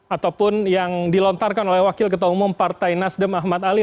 ataupun yang dilontarkan oleh wakil ketua umum partai nasdem ahmad ali